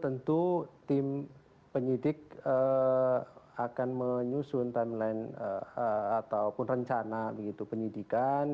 tentu tim penyidik akan menyusun timeline ataupun rencana penyidikan